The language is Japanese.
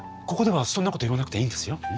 ここではそんなこと言わなくていいんですよ。